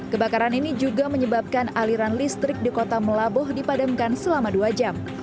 kebakaran ini juga menyebabkan aliran listrik di kota melabuh dipadamkan selama dua jam